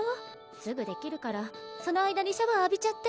すぐできるからその間にシャワー浴びちゃって。